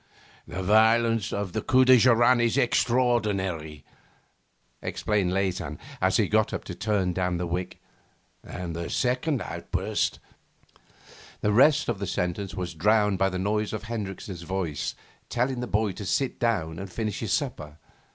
'The violence of the coup de joran is extraordinary,' explained Leysin as he got up to turn down the wick, 'and the second outburst ' The rest of his sentence was drowned by the noise of Hendricks' voice telling the boy to sit down and finish his supper.